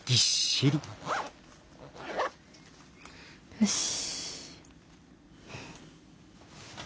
よし。